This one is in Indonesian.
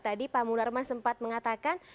tadi pak munarman sempat mengatakan